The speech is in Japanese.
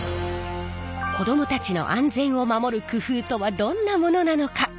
子どもたちの安全を守る工夫とはどんなものなのか？